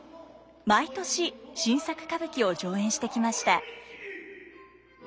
毎年新作歌舞伎を上演してきました。